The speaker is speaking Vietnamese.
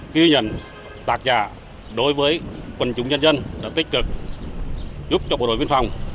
ghi nhận tạc giả đối với quân chủ nhân dân là tích cực giúp cho bộ đội biên phòng